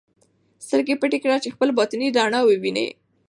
سترګې پټې کړه چې خپله باطني رڼا ووینې.